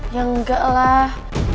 ya enggak lah